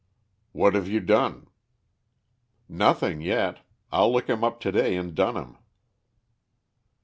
"What have you done?" "Nothing yet; I'll look him up to day and dun him."